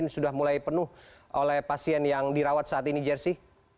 sudah mulai penuh oleh pasien yang dirawat saat ini jersey